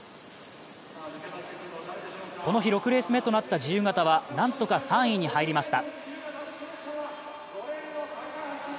この日、６レース目となった自由形はなんとか３位に入りました。